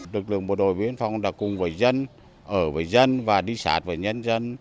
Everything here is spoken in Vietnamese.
đực lượng bộ đội bến phong đã cùng với dân ở với dân và đi sát với nhân dân